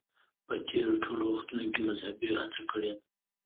په تېرو ټولو وختونو کې مذهبیونو هڅه کړې ده